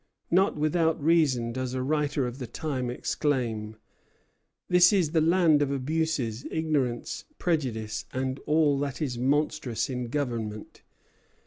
Not without reason does a writer of the time exclaim: "This is the land of abuses, ignorance, prejudice, and all that is monstrous in government.